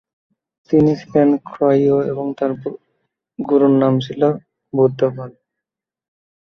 তিনি ছিলেন ক্ষত্রিয় এবং তার গুরুর নাম ছিল বুদ্ধ পাদ।